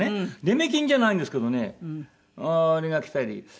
出目金じゃないんですけどねあれが来たり。